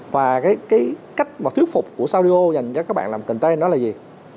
và cái cách mà thuyết phục của saudio dành cho các bạn làm container đó là gì